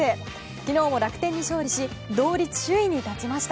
昨日も楽天に勝利し同率首位に立ちました。